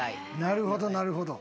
なるほどなるほど。